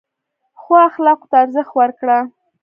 ښو اخلاقو ته ارزښت ورکړه.